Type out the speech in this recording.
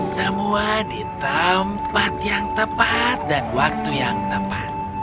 semua di tempat yang tepat dan waktu yang tepat